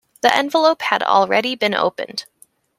The envelope had already been opened.